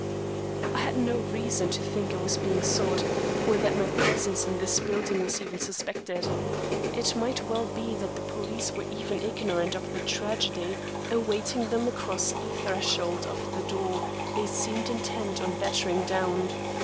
I had no reason to think that I was being sought, or that my presence in this building was even suspected. It might well be that the police were even ignorant of the tragedy awaiting them across the threshold of the door they seemed intent on battering down.